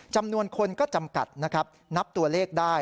จำนวนคนก็จำกัดนะครับนับตัวเลขได้